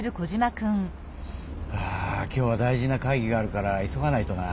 あ今日は大事な会議があるから急がないとな。